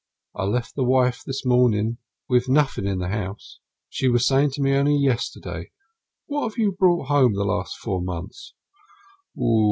I left the wife this morning with nothing in the house. She was saying to me only yesterday: 'What have you brought home the last four months?'